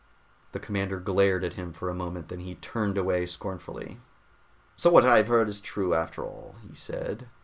The commander glared at him for a moment. Then he turned away scornfully. "So what I have heard is true, after all," he said.